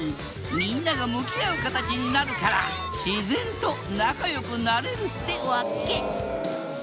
みんなが向き合う形になるから自然と仲良くなれるってわけ。